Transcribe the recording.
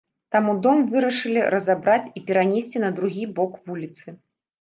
Таму дом вырашылі разабраць і перанесці на другі бок вуліцы.